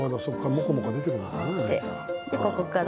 もこもこ出てくるんだ。